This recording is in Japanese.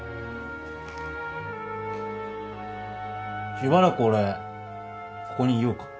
しばらく俺ここにいようか？